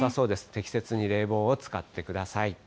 適切に冷房を使ってください。